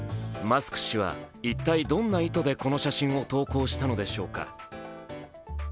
マスク氏は一体どんな意図でこの写真を投稿したのでしょうか。